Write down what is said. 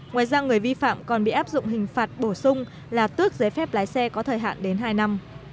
ngoài ra người vi phạm còn bị áp dụng hình phạt bổ sung là tước giấy phép lái xe có thời hạn đến hai năm